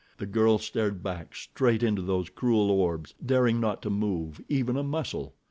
The girl stared back straight into those cruel orbs, daring not to move even a muscle.